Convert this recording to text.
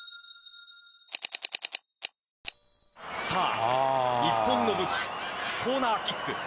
さあ日本の武器コーナーキック。